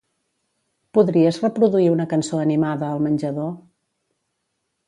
Podries reproduir una cançó animada al menjador?